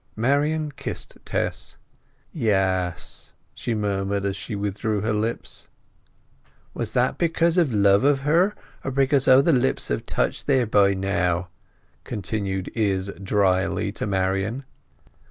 Marian kissed Tess. "Yes," she murmured as she withdrew her lips. "Was that because of love for her, or because other lips have touched there by now?" continued Izz drily to Marian.